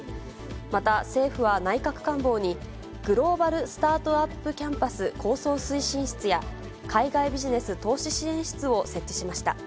また政府は内閣官房に、グローバルスタートアップキャンパス構想推進室や、海外ビジネス投資支援室を設置しました。